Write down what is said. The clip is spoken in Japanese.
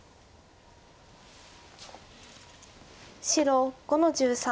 白５の十三。